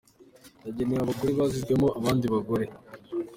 yagenewe abagore basizemo abandi bagore.